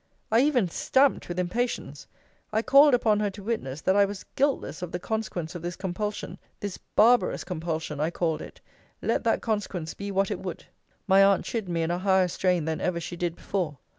I even stamped with impatience! I called upon her to witness, that I was guiltless of the consequence of this compulsion; this barbarous compulsion, I called it; let that consequence be what it would. My aunt chid me in a higher strain than ever she did before.